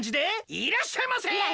いらっしゃいませ。